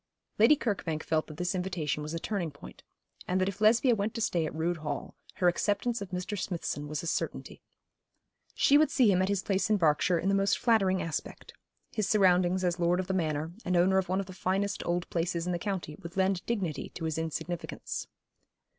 Lady Kirkbank felt that this invitation was a turning point, and that if Lesbia went to stay at Rood Hall, her acceptance of Mr. Smithson was a certainty. She would see him at his place in Berkshire in the most flattering aspect; his surroundings as lord of the manor, and owner of one of the finest old places in the county, would lend dignity to his insignificance.